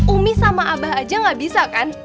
umi sama abah aja gak bisa kan